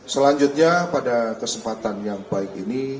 selanjutnya pada kesempatan yang baik ini